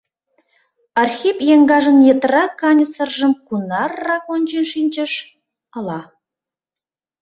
Архип еҥгажын йытыра каньысыржым кунаррак ончен шинчыш — ала.